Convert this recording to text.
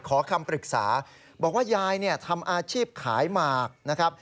ขอคำปรึกษาบอกว่ายายเนี่ยทำอาชีพขายหมากนะครับ